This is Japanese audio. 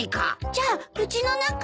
じゃあうちの中？